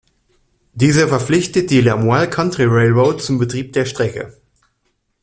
Dieser verpflichtet die „Lamoille County Railroad“ zum Betrieb der Strecke.